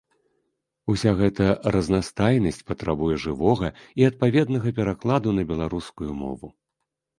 Уся гэта разнастайнасць патрабуе жывога і адпаведнага перакладу на беларускую мову.